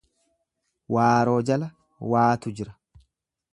Waaroo jala waatu jira.